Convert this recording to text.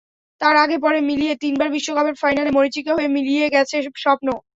তার আগে-পরে মিলিয়ে তিনবার বিশ্বকাপের ফাইনালে মরীচিকা হয়ে মিলিয়ে গেছে স্বপ্ন।